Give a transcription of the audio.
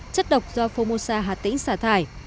chất độc do phomosa hạt tĩnh xả thải